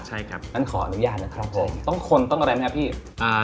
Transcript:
ใช่ครับงั้นขออนุญาตนะครับผมต้องคนต้องอะไรไหมครับพี่อ่า